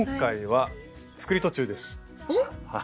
えっ！